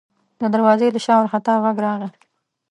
د دروازې له شا وارخطا غږ راغی: